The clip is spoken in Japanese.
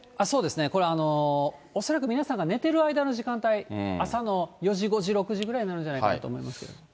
そうですね、これ、恐らく皆さんが寝ている間の時間帯、朝の４時、５時、６時ぐらいになるんじゃないかなと思いますけど。